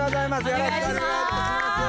お願いします。